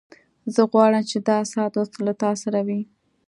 زه غواړم چې دا ساعت اوس له تا سره وي